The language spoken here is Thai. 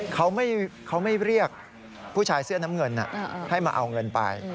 เขาไม่เรียกผู้ชายเสื้อน้ำเงินให้มาเอาเงินไป